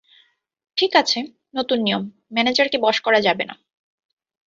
ঠিক আছে, নতুন নিয়ম, ম্যানেজারকে বশ করা যাবে না।